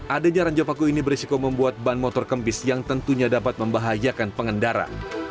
adanya ranjau paku ini berisiko membuat ban motor kempis yang tentunya dapat membahayakan pengendara